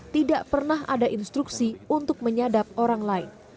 tidak pernah ada instruksi untuk menyadap orang lain